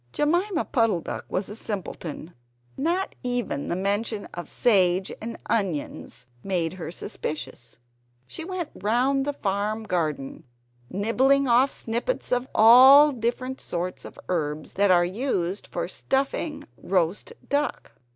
Jemima Puddle duck was a simpleton: not even the mention of sage and onions made her suspicious. She went round the farm garden, nibbling off snippets of all the different sorts of herbs that are used for stuffing roast duck.